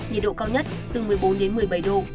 nhiệt độ cao nhất từ một mươi bốn đến một mươi bảy độ